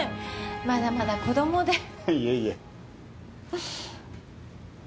まだまだ子どもでいえいえ